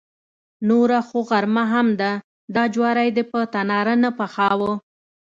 نوره خو غرمه هم ده، دا جواری دې په تناره نه پخاوه.